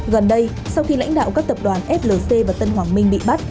gần đây sau khi lãnh đạo các tập đoàn flc và tân hoàng minh bị bắt